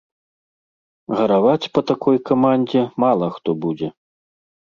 Гараваць па такой камандзе мала хто будзе.